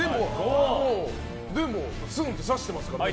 でも、すんって刺してますから。